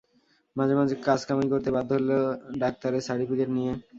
মাঝে মাঝে কাজ কামাই করতে বাধ্য হল ডাক্তারের সার্টিফিকেট নিয়ে।